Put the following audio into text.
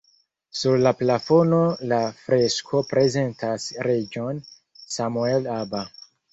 Sur la plafono la fresko prezentas reĝon Samuel Aba.